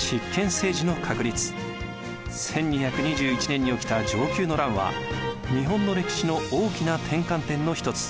１２２１年に起きた承久の乱は日本の歴史の大きな転換点の一つ。